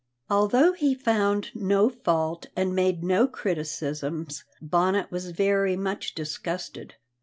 Although he found no fault and made no criticisms, Bonnet was very much disgusted.